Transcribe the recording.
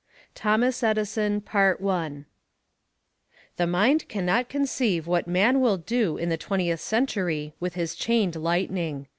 THOMAS A. EDISON The mind can not conceive what man will do in the Twentieth Century with his chained lightning.